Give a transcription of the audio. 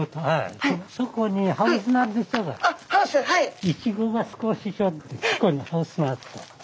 はい。